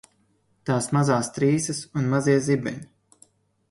Tās mazās trīsas un mazie zibeņi.